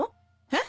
え？